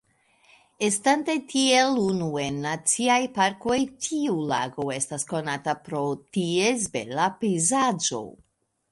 Estante tiel unu en naciaj parkoj, tiu lago estas konata pro ties bela pejzaĝo.